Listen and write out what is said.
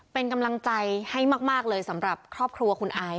เป็นกำลังใจให้มากเลยสำหรับครอบครัวคุณไอซ